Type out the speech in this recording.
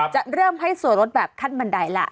จะเริ่มให้ส่วนลดแบบขั้นบันไดล่ะ